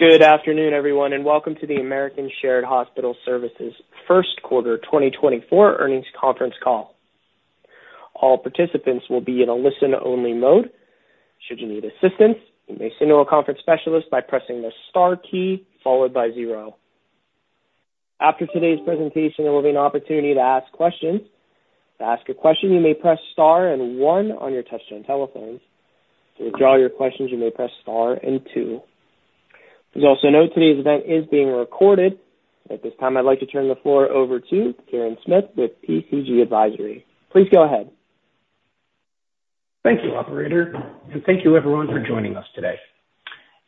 Good afternoon, everyone, and welcome to the American Shared Hospital Services Q1 2024 Earnings Conference Call. All participants will be in a listen-only mode. Should you need assistance, you may speak to a conference specialist by pressing the star key followed by zero. After today's presentation, there will be an opportunity to ask questions. To ask a question, you may press star and one on your touch-tone telephones. To withdraw your questions, you may press star and two. Please also note today's event is being recorded. At this time, I'd like to turn the floor over to Kirin Smith with PCG Advisory. Please go ahead. Thank you, operator, and thank you, everyone, for joining us today.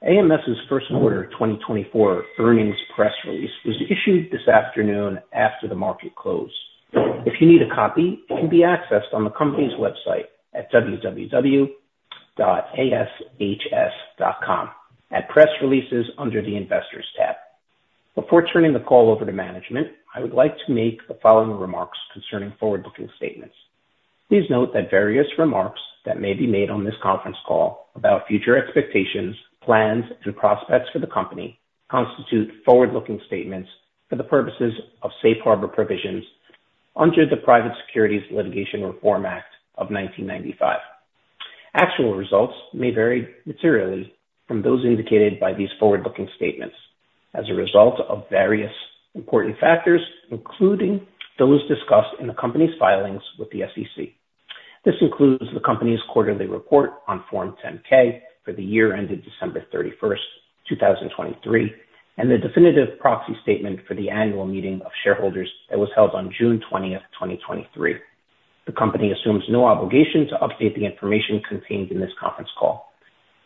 AMS's Q1 2024 Earnings Press Release was issued this afternoon after the market closed. If you need a copy, it can be accessed on the company's website at www.ashs.com at press releases under the Investors tab. Before turning the call over to management, I would like to make the following remarks concerning forward-looking statements. Please note that various remarks that may be made on this conference call about future expectations, plans, and prospects for the company constitute forward-looking statements for the purposes of safe harbor provisions under the Private Securities Litigation Reform Act of 1995. Actual results may vary materially from those indicated by these forward-looking statements as a result of various important factors, including those discussed in the company's filings with the SEC. This includes the company's quarterly report on Form 10-K for the year ended December 31st, 2023, and the definitive proxy statement for the annual meeting of shareholders that was held on June 20th, 2023. The company assumes no obligation to update the information contained in this conference call.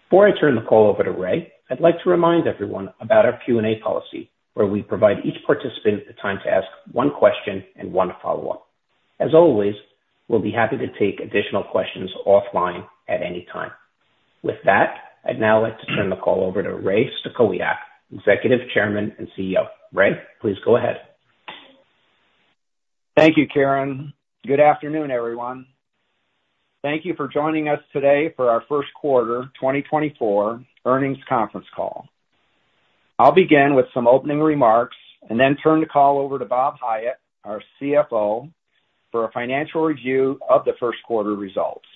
Before I turn the call over to Ray, I'd like to remind everyone about our Q&A policy, where we provide each participant the time to ask one question and one follow-up. As always, we'll be happy to take additional questions offline at any time. With that, I'd now like to turn the call over to Ray Stachowiak, Executive Chairman and CEO. Ray, please go ahead. Thank you, Kirin. Good afternoon, everyone. Thank you for joining us today for our Q1 2024 earnings conference call. I'll begin with some opening remarks and then turn the call over to Bob Hiatt, our CFO, for a financial review of the Q1 results.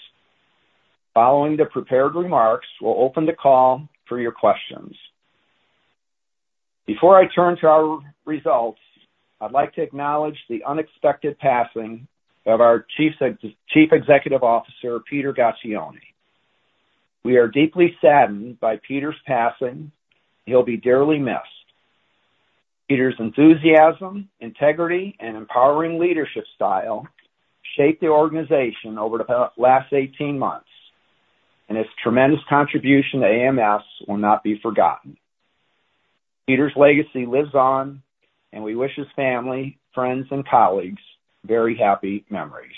Following the prepared remarks, we'll open the call for your questions. Before I turn to our results, I'd like to acknowledge the unexpected passing of our Chief Executive Officer, Peter Gaccione. We are deeply saddened by Peter's passing. He'll be dearly missed. Peter's enthusiasm, integrity, and empowering leadership style shaped the organization over the last 18 months, and his tremendous contribution to AMS will not be forgotten. Peter's legacy lives on, and we wish his family, friends, and colleagues very happy memories.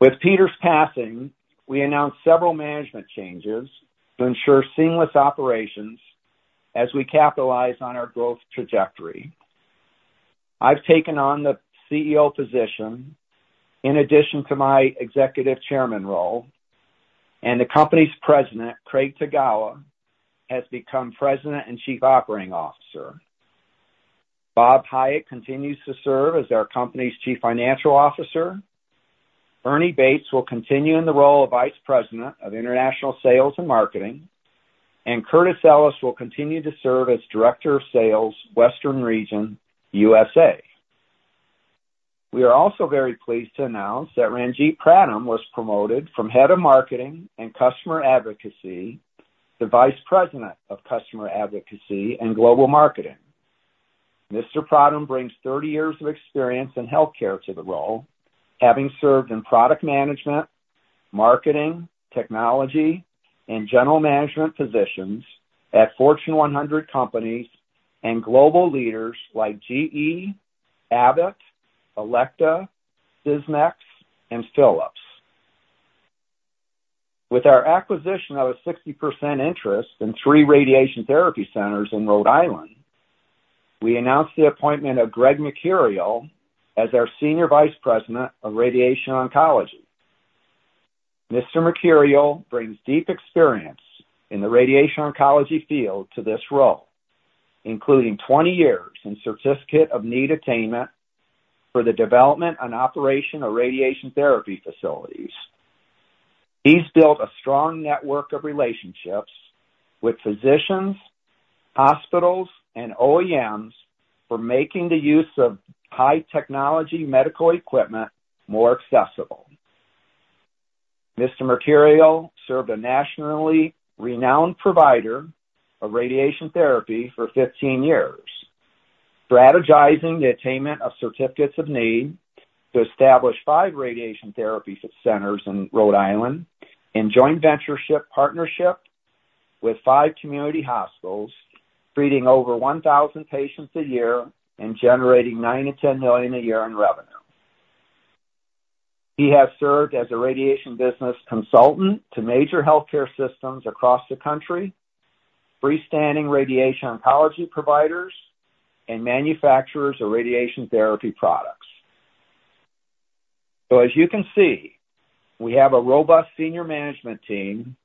With Peter's passing, we announced several management changes to ensure seamless operations as we capitalize on our growth trajectory. I've taken on the CEO position in addition to my executive chairman role, and the company's president, Craig Tagawa, has become President and Chief Operating Officer. Bob Hiatt continues to serve as our company's Chief Financial Officer. Ernie Bates will continue in the role of Vice President of International Sales and Marketing, and Curtis Ellis will continue to serve as Director of Sales, Western Region, USA. We are also very pleased to announce that Ranjit Pradhan was promoted from Head of Marketing and Customer Advocacy to Vice President of Customer Advocacy and Global Marketing. Mr. Pradhan brings 30 years of experience in healthcare to the role, having served in product management, marketing, technology, and general management positions at Fortune 100 companies and global leaders like GE, Abbott, Elekta, Sysmex, and Philips. With our acquisition of a 60% interest in three radiation therapy centers in Rhode Island, we announced the appointment of Greg Mercurio as our Senior Vice President of Radiation Oncology. Mr. Mercurio brings deep experience in the radiation oncology field to this role, including 20 years and Certificate of Need attainment for the development and operation of radiation therapy facilities. He's built a strong network of relationships with physicians, hospitals, and OEMs for making the use of high-technology medical equipment more accessible. Mr. Mercurio served a nationally renowned provider of radiation therapy for 15 years, strategizing the attainment of Certificates of Need to establish five radiation therapy centers in Rhode Island, in joint venture partnership with five community hospitals, treating over 1,000 patients a year and generating $9-10 million a year in revenue. He has served as a radiation business consultant to major healthcare systems across the country, freestanding radiation oncology providers, and manufacturers of radiation therapy products. So as you can see, we have a robust senior management team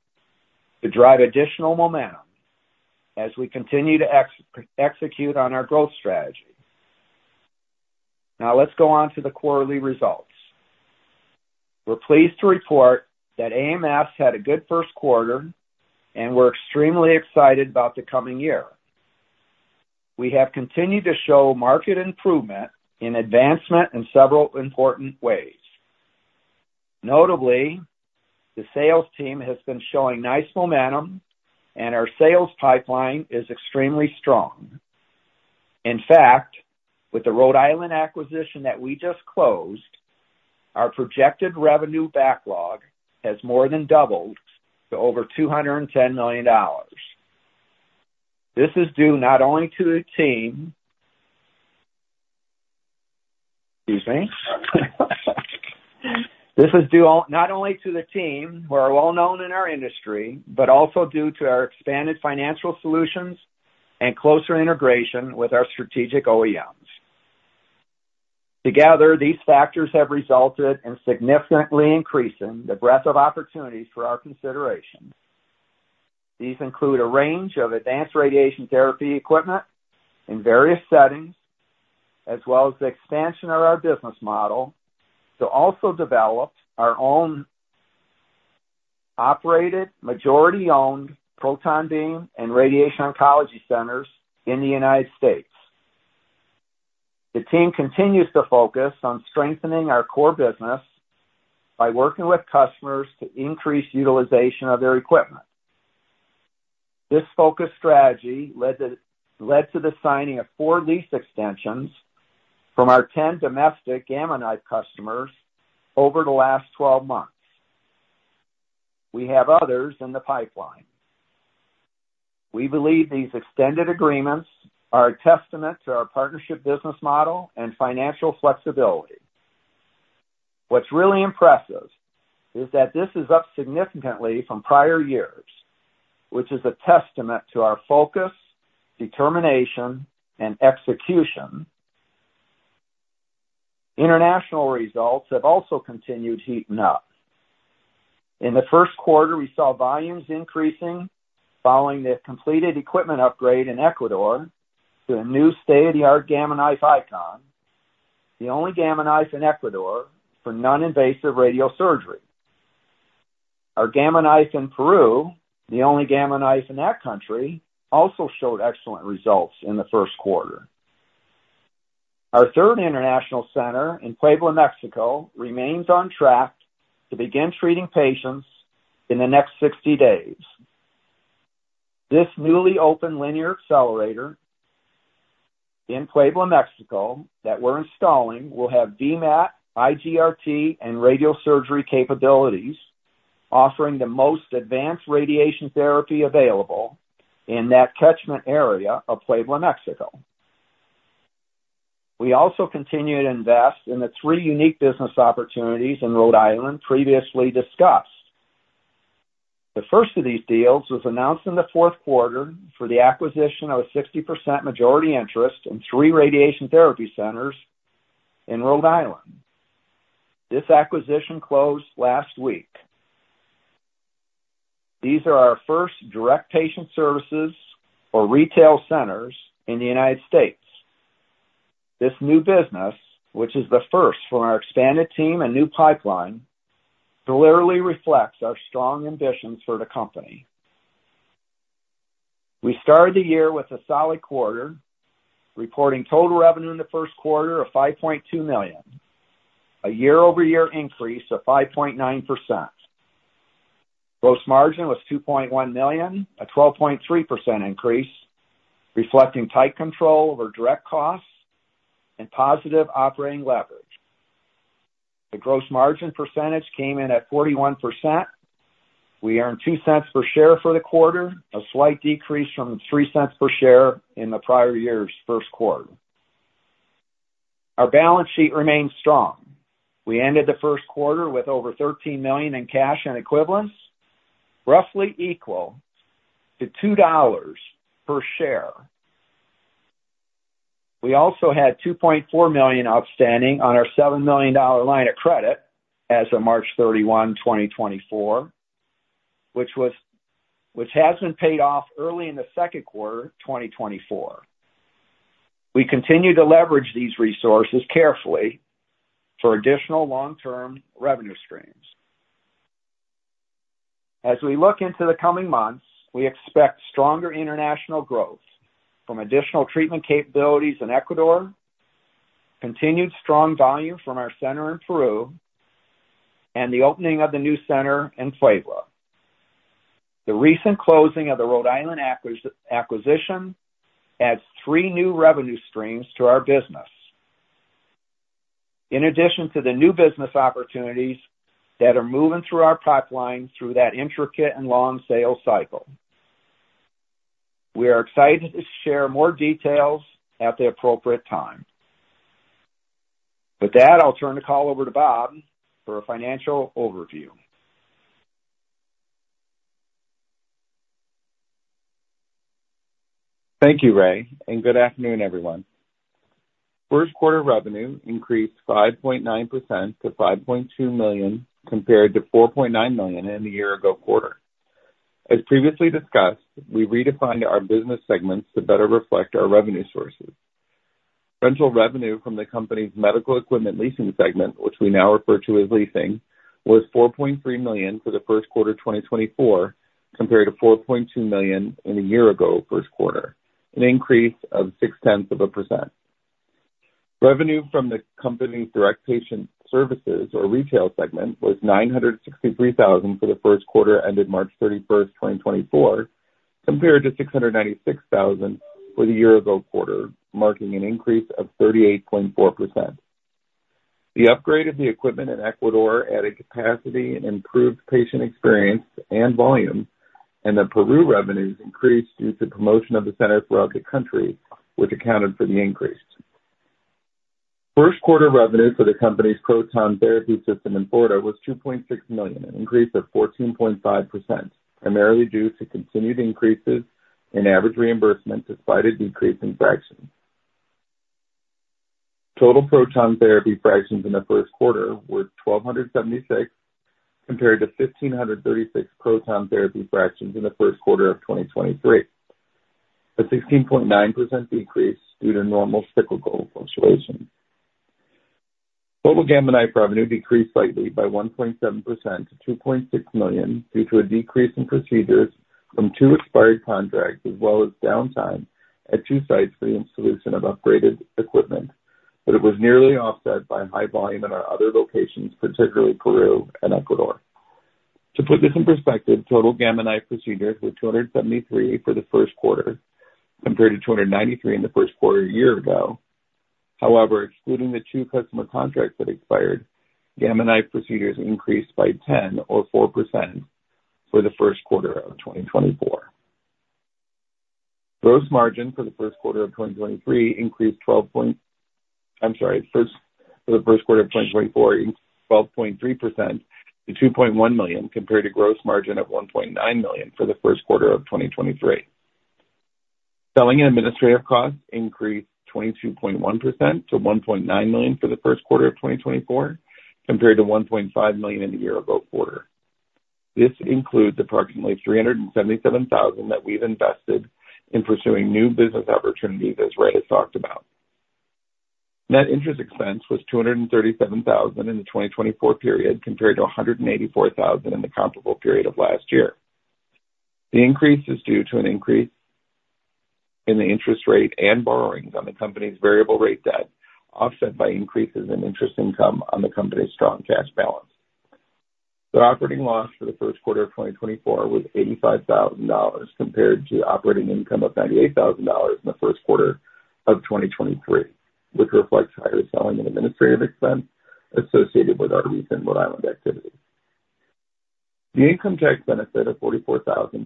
to drive additional momentum as we continue to execute on our growth strategy. Now, let's go on to the quarterly results. We're pleased to report that AMS had a good Q1, and we're extremely excited about the coming year. We have continued to show market improvement in advancement in several important ways. Notably, the sales team has been showing nice momentum, and our sales pipeline is extremely strong. In fact, with the Rhode Island acquisition that we just closed, our projected revenue backlog has more than doubled to over $210 million. This is due not only to the team, excuse me. This is due not only to the team, who are well-known in our industry, but also due to our expanded financial solutions and closer integration with our strategic OEMs. Together, these factors have resulted in significantly increasing the breadth of opportunities for our consideration. These include a range of advanced radiation therapy equipment in various settings, as well as the expansion of our business model to also develop our own operated, majority-owned proton beam and radiation oncology centers in the United States. The team continues to focus on strengthening our core business by working with customers to increase utilization of their equipment. This focused strategy led to the signing of 4 lease extensions from our 10 domestic Gamma Knife customers over the last 12 months. We have others in the pipeline. We believe these extended agreements are a testament to our partnership business model and financial flexibility. What's really impressive is that this is up significantly from prior years, which is a testament to our focus, determination, and execution. International results have also continued heating up. In the Q1, we saw volumes increasing following the completed equipment upgrade in Ecuador to a new state-of-the-art Gamma Knife Icon, the only Gamma Knife in Ecuador for non-invasive radiosurgery. Our Gamma Knife in Peru, the only Gamma Knife in that country, also showed excellent results in the Q1. Our third international center in Puebla, Mexico, remains on track to begin treating patients in the next 60 days. This newly opened linear accelerator in Puebla, Mexico, that we're installing will have VMAT, IGRT, and radiosurgery capabilities, offering the most advanced radiation therapy available in that catchment area of Puebla, Mexico. We also continue to invest in the three unique business opportunities in Rhode Island previously discussed. The first of these deals was announced in the Q4 for the acquisition of a 60% majority interest in three radiation therapy centers in Rhode Island. This acquisition closed last week. These are our first direct patient services or retail centers in the United States. This new business, which is the first from our expanded team and new pipeline, clearly reflects our strong ambitions for the company. We started the year with a solid quarter, reporting total revenue in the Q1 of $5.2 million, a year-over-year increase of 5.9%. Gross margin was $2.1 million, a 12.3% increase, reflecting tight control over direct costs and positive operating leverage. The gross margin percentage came in at 41%. We earned $0.02 per share for the quarter, a slight decrease from $0.03 per share in the prior year's Q1. Our balance sheet remained strong. We ended the Q1 with over $13 million in cash and equivalents, roughly equal to $2 per share. We also had $2.4 million outstanding on our $7 million line of credit as of March 31, 2024, which has been paid off early in the Q2 of 2024. We continue to leverage these resources carefully for additional long-term revenue streams. As we look into the coming months, we expect stronger international growth from additional treatment capabilities in Ecuador, continued strong volume from our center in Peru, and the opening of the new center in Puebla. The recent closing of the Rhode Island acquisition adds three new revenue streams to our business, in addition to the new business opportunities that are moving through our pipeline through that intricate and long sales cycle. We are excited to share more details at the appropriate time. With that, I'll turn the call over to Bob for a financial overview. Thank you, Ray, and good afternoon, everyone. Q1 revenue increased 5.9% to $5.2 million compared to $4.9 million in the year-ago quarter. As previously discussed, we redefined our business segments to better reflect our revenue sources. Rental revenue from the company's medical equipment leasing segment, which we now refer to as leasing, was $4.3 million for the Q1 of 2024 compared to $4.2 million in the year-ago Q1, an increase of 0.6%. Revenue from the company's direct patient services or retail segment was $963,000 for the Q1 ended March 31, 2024, compared to $696,000 for the year-ago quarter, marking an increase of 38.4%. The upgrade of the equipment in Ecuador added capacity, improved patient experience and volume, and the Peru revenues increased due to promotion of the center throughout the country, which accounted for the increase. Q1 revenue for the company's Proton Therapy System in Florida was $2.6 million, an increase of 14.5%, primarily due to continued increases in average reimbursement despite a decrease in fractions. Total proton therapy fractions in the Q1 were 1,276 compared to 1,536 proton therapy fractions in the Q1 of 2023, a 16.9% decrease due to normal cyclical fluctuations. Total Gamma Knife revenue decreased slightly by 1.7% to $2.6 million due to a decrease in procedures from two expired contracts, as well as downtime at two sites for the installation of upgraded equipment, but it was nearly offset by high volume in our other locations, particularly Peru and Ecuador. To put this in perspective, total Gamma Knife procedures were 273 for the Q1 compared to 293 in the Q1 a year ago. However, excluding the two customer contracts that expired, Gamma Knife procedures increased by 10 or 4% for the Q1 of 2024. Gross margin for the Q1 of 2023 increased 12 point. I'm sorry, for the Q1 of 2024 increased 12.3% to $2.1 million compared to gross margin of $1.9 million for the Q1 of 2023. Selling and administrative costs increased 22.1% to $1.9 million for the Q1 of 2024 compared to $1.5 million in the year-ago quarter. This includes approximately $377,000 that we've invested in pursuing new business opportunities, as Ray has talked about. Net interest expense was $237,000 in the 2024 period compared to $184,000 in the comparable period of last year. The increase is due to an increase in the interest rate and borrowings on the company's variable rate debt, offset by increases in interest income on the company's strong cash balance. The operating loss for the Q1 of 2024 was $85,000 compared to operating income of $98,000 in the Q1 of 2023, which reflects higher selling and administrative expense associated with our recent Rhode Island activity. The income tax benefit of $44,000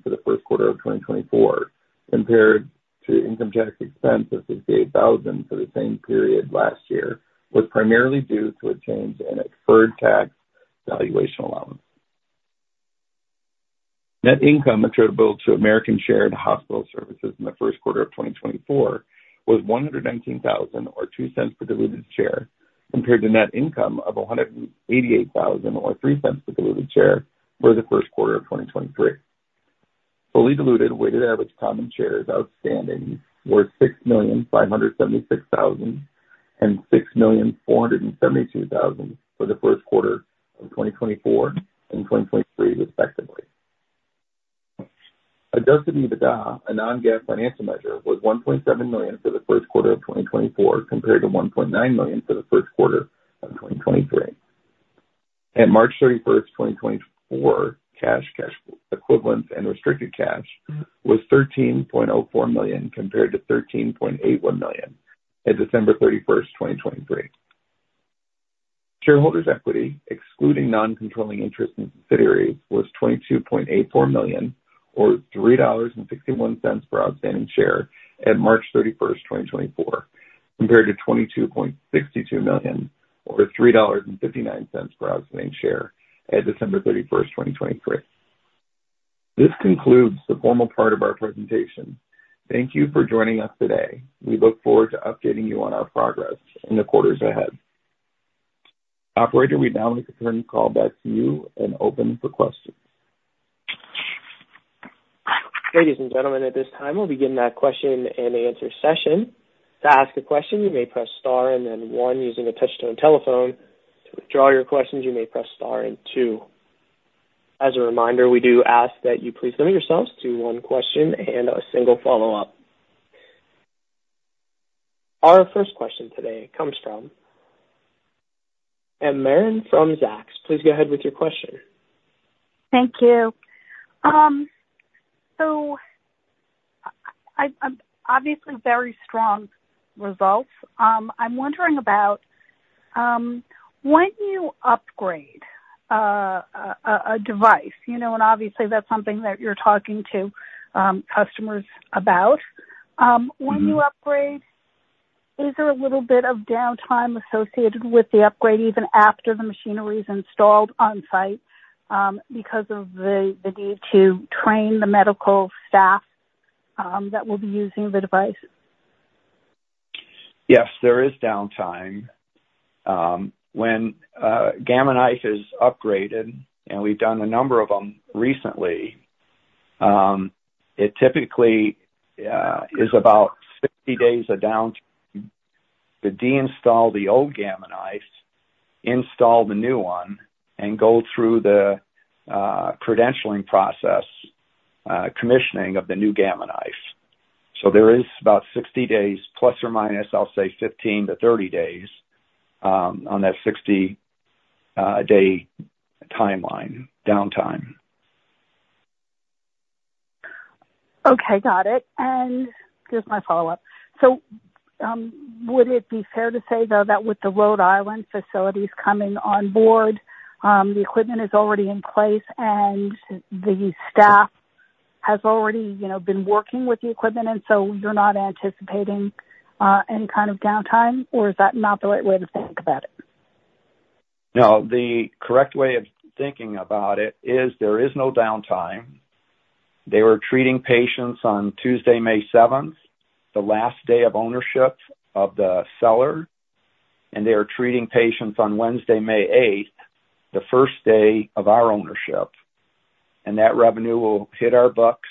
for the Q1 of 2024 compared to income tax expense of $8,000 for the same period last year was primarily due to a change in a deferred tax valuation allowance. Net income attributable to American Shared Hospital Services in the Q1 of 2024 was $119,000 or $0.02 per diluted share compared to net income of $188,000 or $0.03 per diluted share for the Q1 of 2023. Fully diluted weighted average common shares outstanding were 6,576,000 and 6,472,000 for the Q1 of 2024 and 2023, respectively. Adjusted EBITDA, a non-GAAP financial measure, was $1.7 million for the Q1 of 2024 compared to $1.9 million for the Q1 of 2023. At March 31, 2024, cash equivalents and restricted cash was $13.04 million compared to $13.81 million at December 31, 2023. Shareholders' equity, excluding non-controlling interest and subsidiaries, was $22.84 million or $3.61 per outstanding share at March 31, 2024, compared to $22.62 million or $3.59 per outstanding share at December 31, 2023. This concludes the formal part of our presentation. Thank you for joining us today. We look forward to updating you on our progress in the quarters ahead. Operator, we now like to turn the call back to you and open for questions. Ladies and gentlemen, at this time, we'll begin that question and answer session. To ask a question, you may press star and then one using a touch-tone telephone. To withdraw your questions, you may press star and two. As a reminder, we do ask that you please limit yourselves to one question and a single follow-up. Our first question today comes from M. Marin from Zacks. Please go ahead with your question. Thank you. Obviously, very strong results. I'm wondering about when you upgrade a device and obviously, that's something that you're talking to customers about. When you upgrade, is there a little bit of downtime associated with the upgrade even after the machinery is installed on-site because of the need to train the medical staff that will be using the device? Yes, there is downtime. When Gamma Knife is upgraded, and we've done a number of them recently, it typically is about 50 days of downtime to deinstall the old Gamma Knife, install the new one, and go through the credentialing process, commissioning of the new Gamma Knife. So there is about 60 days, ±15-30 days on that 60-day timeline downtime. Okay, got it. And here's my follow-up. So would it be fair to say, though, that with the Rhode Island facilities coming on board, the equipment is already in place, and the staff has already been working with the equipment, and so you're not anticipating any kind of downtime, or is that not the right way to think about it? No, the correct way of thinking about it is there is no downtime. They were treating patients on Tuesday, May 7th, the last day of ownership of the seller, and they are treating patients on Wednesday, May 8th, the first day of our ownership. And that revenue will hit our books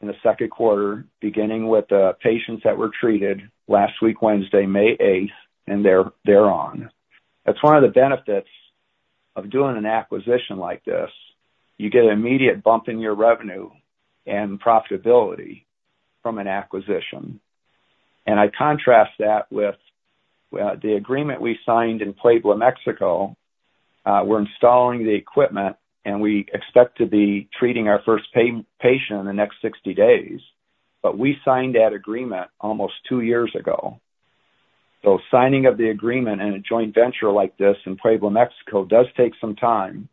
in the Q2, beginning with the patients that were treated last week, Wednesday, May 8th, and thereon. That's one of the benefits of doing an acquisition like this. You get an immediate bump in your revenue and profitability from an acquisition. And I contrast that with the agreement we signed in Puebla, Mexico. We're installing the equipment, and we expect to be treating our first patient in the next 60 days. But we signed that agreement almost two years ago. Signing of the agreement and a joint venture like this in Puebla, Mexico, does take some time,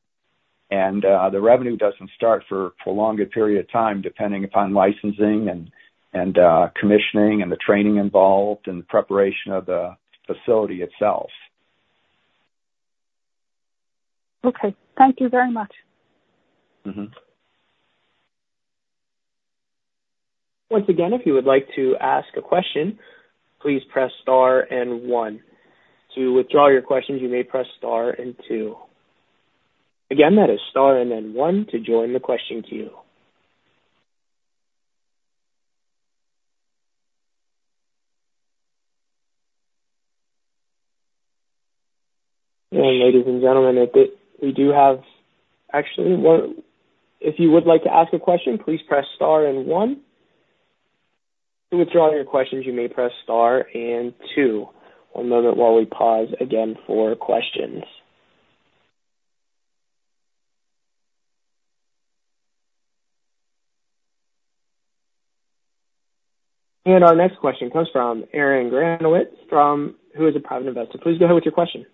and the revenue doesn't start for a prolonged period of time, depending upon licensing and commissioning and the training involved and the preparation of the facility itself. Okay. Thank you very much. Once again, if you would like to ask a question, please press star and one. To withdraw your questions, you may press star and two. Again, that is star and then one to join the question queue. And ladies and gentlemen, we do have actually, if you would like to ask a question, please press star and one. To withdraw your questions, you may press star and two. One moment while we pause again for questions. And our next question comes from Aaron Granowitz, who is a private investor. Please go ahead with your question.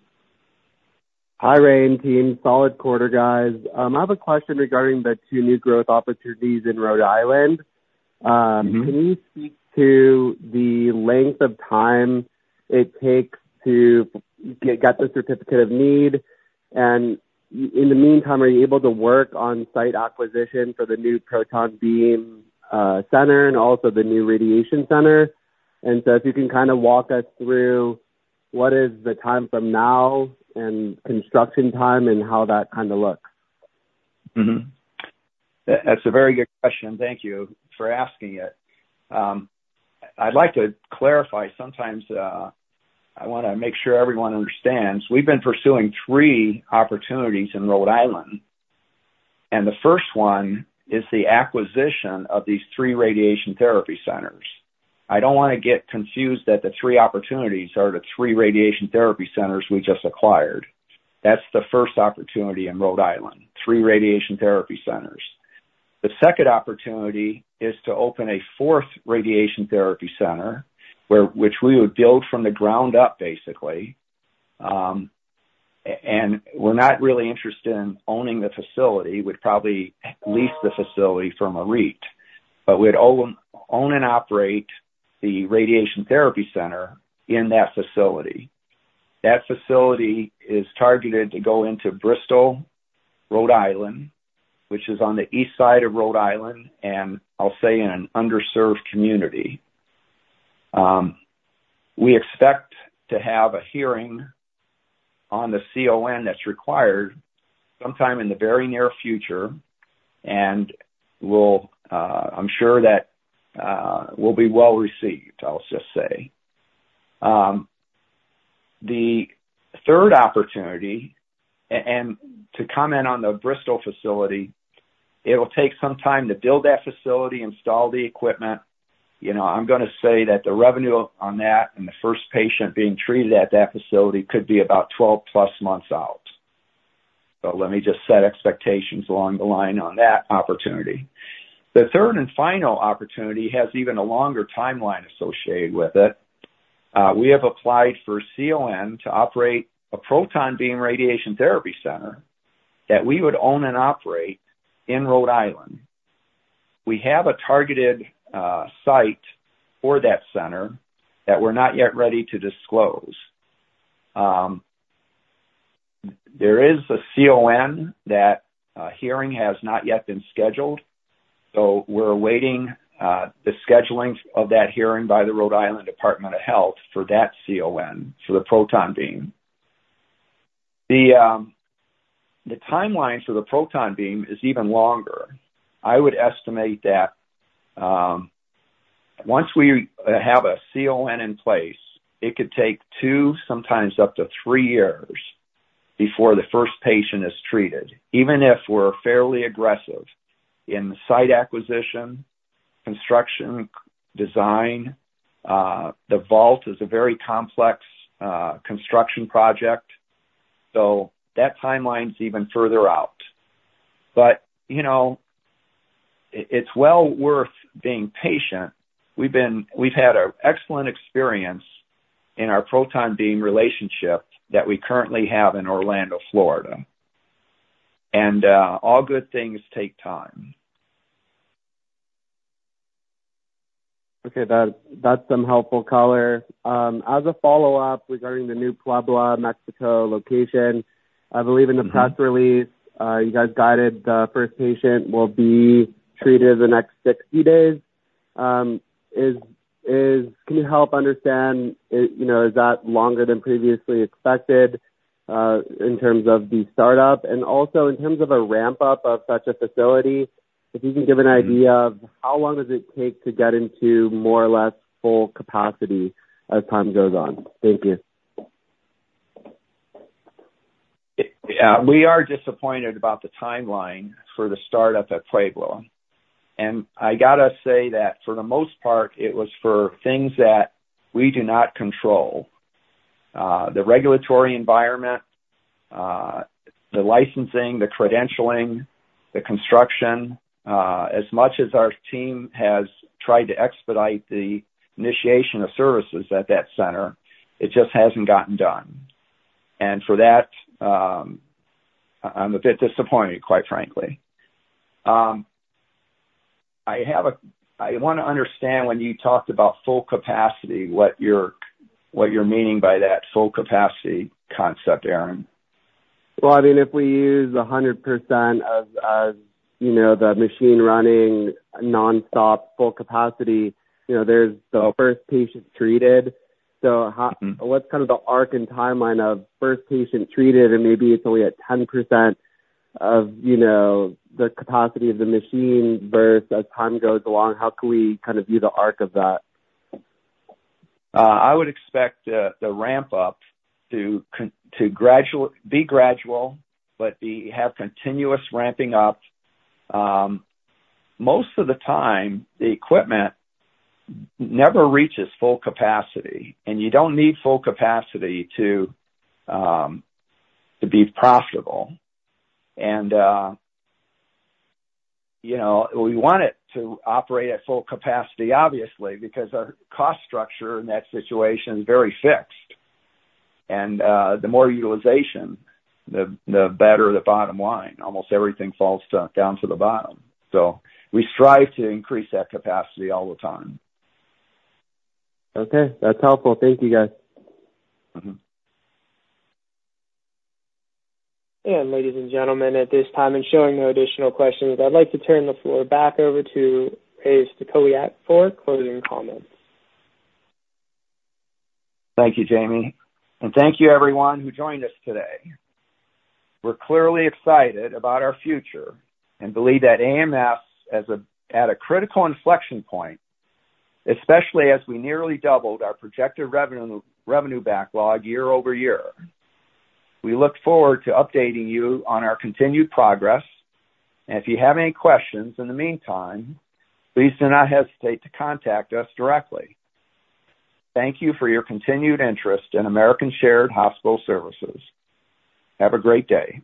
Hi, Ray and team, solid quarter guys. I have a question regarding the two new growth opportunities in Rhode Island. Can you speak to the length of time it takes to get the Certificate of Need? In the meantime, are you able to work on site acquisition for the new proton beam center and also the new radiation center? So if you can kind of walk us through what is the time from now and construction time and how that kind of looks? That's a very good question. Thank you for asking it. I'd like to clarify. Sometimes I want to make sure everyone understands. We've been pursuing three opportunities in Rhode Island, and the first one is the acquisition of these three radiation therapy centers. I don't want to get confused that the three opportunities are the three radiation therapy centers we just acquired. That's the first opportunity in Rhode Island, three radiation therapy centers. The second opportunity is to open a fourth radiation therapy center, which we would build from the ground up, basically. And we're not really interested in owning the facility. We'd probably lease the facility from a REIT, but we'd own and operate the radiation therapy center in that facility. That facility is targeted to go into Bristol, Rhode Island, which is on the east side of Rhode Island, and I'll say in an underserved community. We expect to have a hearing on the CON that's required sometime in the very near future, and I'm sure that will be well received, I'll just say. The third opportunity and to comment on the Bristol facility, it'll take some time to build that facility, install the equipment. I'm going to say that the revenue on that and the first patient being treated at that facility could be about 12+ months out. So let me just set expectations along the line on that opportunity. The third and final opportunity has even a longer timeline associated with it. We have applied for CON to operate a proton beam radiation therapy center that we would own and operate in Rhode Island. We have a targeted site for that center that we're not yet ready to disclose. There is a CON that hearing has not yet been scheduled. We're awaiting the scheduling of that hearing by the Rhode Island Department of Health for that CON, for the proton beam. The timeline for the proton beam is even longer. I would estimate that once we have a CON in place, it could take 2, sometimes up to 3 years before the first patient is treated, even if we're fairly aggressive in site acquisition, construction, design. The vault is a very complex construction project, so that timeline's even further out. But it's well worth being patient. We've had an excellent experience in our proton beam relationship that we currently have in Orlando, Florida. All good things take time. Okay, that's some helpful color. As a follow-up regarding the new Puebla, Mexico location, I believe in the press release, you guys guided the first patient will be treated the next 60 days. Can you help understand, is that longer than previously expected in terms of the startup? And also in terms of a ramp-up of such a facility, if you can give an idea of how long does it take to get into more or less full capacity as time goes on? Thank you. Yeah, we are disappointed about the timeline for the startup at Puebla. And I got to say that for the most part, it was for things that we do not control, the regulatory environment, the licensing, the credentialing, the construction. As much as our team has tried to expedite the initiation of services at that center, it just hasn't gotten done. And for that, I'm a bit disappointed, quite frankly. I want to understand when you talked about full capacity, what you're meaning by that full capacity concept, Aaron. Well, I mean, if we use 100% of the machine running nonstop full capacity, there's the first patient treated. So what's kind of the arc and timeline of first patient treated, and maybe it's only at 10% of the capacity of the machine versus as time goes along? How can we kind of view the arc of that? I would expect the ramp-up to be gradual, but have continuous ramping up. Most of the time, the equipment never reaches full capacity, and you don't need full capacity to be profitable. We want it to operate at full capacity, obviously, because our cost structure in that situation is very fixed. The more utilization, the better the bottom line. Almost everything falls down to the bottom. We strive to increase that capacity all the time. Okay, that's helpful. Thank you, guys. Ladies and gentlemen, at this time, and showing no additional questions, I'd like to turn the floor back over to Ray Stachowiak for closing comments. Thank you, Jamie. And thank you, everyone who joined us today. We're clearly excited about our future and believe that AMS, at a critical inflection point, especially as we nearly doubled our projected revenue backlog year over year. We look forward to updating you on our continued progress. And if you have any questions in the meantime, please do not hesitate to contact us directly. Thank you for your continued interest in American Shared Hospital Services. Have a great day.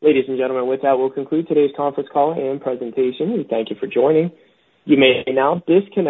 Ladies and gentlemen, with that, we'll conclude today's conference call and presentation. We thank you for joining. You may now disconnect.